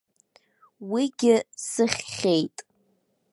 Уигьы сыхьхьеит.